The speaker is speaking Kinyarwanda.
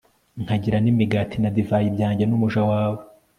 nkagira n'imigati na divayi byanjye n'umuja wawe